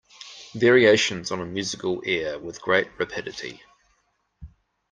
Variations on a musical air With great rapidity.